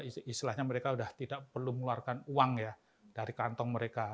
istilahnya mereka sudah tidak perlu mengeluarkan uang ya dari kantong mereka